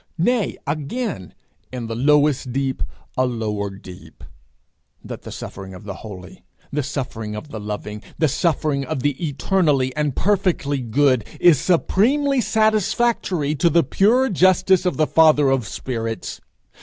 nay, again, 'in the lowest deep a lower deep,' that the suffering of the holy, the suffering of the loving, the suffering of the eternally and perfectly good, is supremely satisfactory to the pure justice of the Father of spirits!